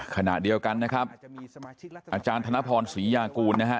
ขณะเดียวกันนะครับอาจารย์ธนพรศรียากูลนะฮะ